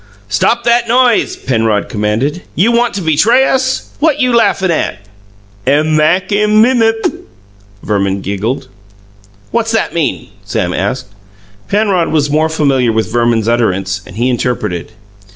"Stop that noise!" Penrod commanded. "You want to betray us? What you laughin' at?" "Ep mack im mimmup," Verman giggled. "What's he mean?" Sam asked. Penrod was more familiar with Verman's utterance, and he interpreted.